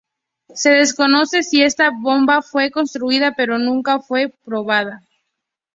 Se desconoce si esta bomba fue construida, pero nunca fue probada.